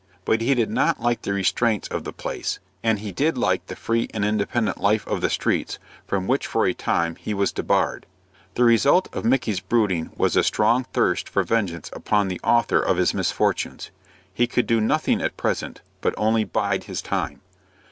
But he did not like the restraints of the place, and he did like the free and independent life of the streets from which for a time he was debarred. The result of Micky's brooding was a strong thirst for vengeance upon the author of his misfortunes. He could do nothing at present, but only bide his time.